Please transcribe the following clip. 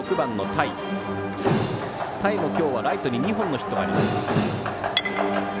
田井も今日は、ライトに２本のヒットがあります。